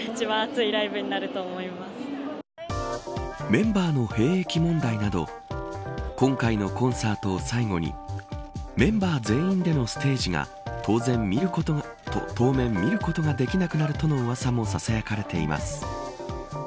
メンバーの兵役問題など今回のコンサートを最後にメンバー全員でのステージが当面見ることができなくなるとのうわさもささやかれています。